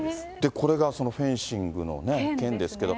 これがフェンシングの剣ですけれども。